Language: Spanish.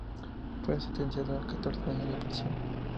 Fue sentenciado a catorce años de prisión.